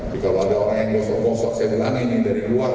jika ada orang yang gosok gosok saya bilangin ini dari luar